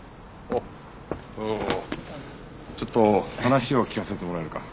おおちょっと話を聞かせてもらえるか？